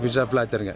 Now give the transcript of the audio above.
bisa belajar nggak